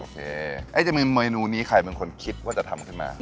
จะมีเมนูนี้ใครเป็นคนคิดว่าจะทำขึ้นมา